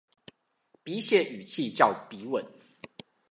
筆寫語氣叫筆吻